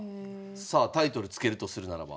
さあタイトル付けるとするならば？